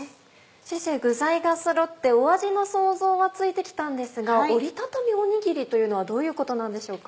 先生具材がそろって味の想像はついて来たんですが折りたたみおにぎりというのはどういうことなんでしょうか？